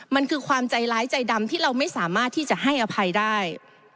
มันคือความใจร้ายใจดำที่เราไม่สามารถที่จะให้อภัยได้